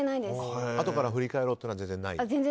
あとから振り返ろうとかは全然ないです。